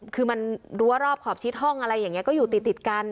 คือมันรั้วรอบขอบชิดห้องอะไรอย่างนี้ก็อยู่ติดกัน